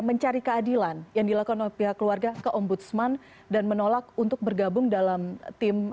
mencari keadilan yang dilakukan oleh pihak keluarga ke ombudsman dan menolak untuk bergabung dalam tim